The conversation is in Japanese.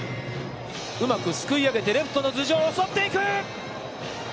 うまくすくい上げてレフトの頭上を襲っていく。